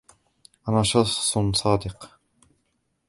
أنا شخص صادق.